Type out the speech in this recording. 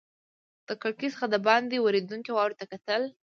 له کړکۍ څخه دباندې ورېدونکې واورې ته کتل.